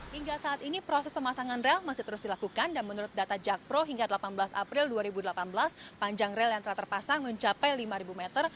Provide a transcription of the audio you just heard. hingga saat ini proses pemasangan rel masih terus dilakukan dan menurut data jakpro hingga delapan belas april dua ribu delapan belas panjang rel yang telah terpasang mencapai lima meter